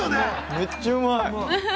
◆めっちゃうまい。